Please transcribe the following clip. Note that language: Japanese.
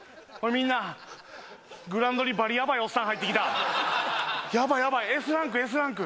みんなグラウンドにバリヤバいおっさん入ってきたヤバいヤバいＳランクＳランク